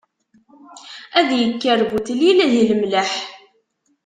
Ad ikker butlil di lemleḥ.